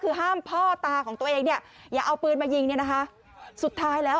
คือเอาอย่างนี้คุณผู้ชมในคลิปเนี่ยบางคนไม่ได้ดูตั้งแต่ต้นเนี่ยอาจจะงงนะฮะ